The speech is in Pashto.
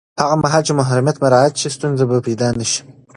هغه مهال چې محرمیت مراعت شي، ستونزې به پیدا نه شي.